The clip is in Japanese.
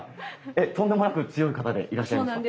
えっとんでもなく強い方でいらっしゃいますか？